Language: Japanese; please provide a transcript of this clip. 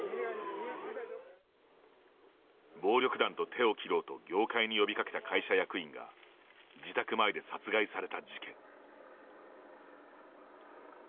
暴力団と手を切ろうと業界に呼びかけた会社役員が自宅前で殺害された事件。